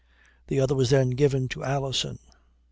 The other was then given to Alison.